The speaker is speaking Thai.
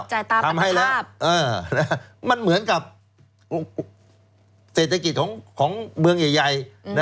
จ่ายตาปัญหาภาพทำให้แล้วมันเหมือนกับเศรษฐกิจของเมืองใหญ่